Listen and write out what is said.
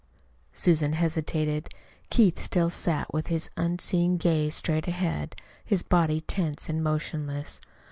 Susan hesitated. Keith still sat, with his unseeing gaze straight ahead, his body tense and motionless.